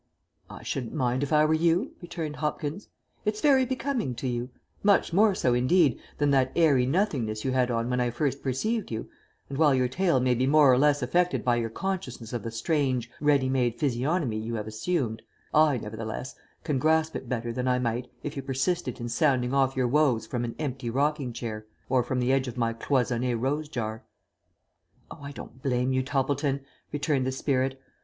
"I shouldn't mind if I were you," returned Hopkins. "It's very becoming to you; much more so, indeed, than that airy nothingness you had on when I first perceived you, and while your tale may be more or less affected by your consciousness of the strange, ready made physiognomy you have assumed, I, nevertheless, can grasp it better than I might if you persisted in sounding off your woes from an empty rocking chair, or from the edge of my cloisonné rose jar." "Oh, I don't blame you, Toppleton," returned the spirit.